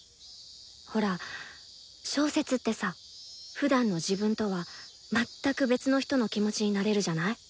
ほら小説ってさふだんの自分とは全く別の人の気持ちになれるじゃない？